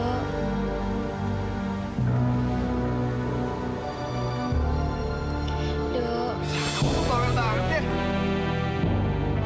aku tuh orang tak artinya